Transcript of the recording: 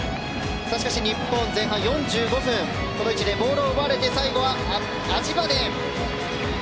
しかし、日本は前半４５分この位置でボールを奪われて最後はアジバデ。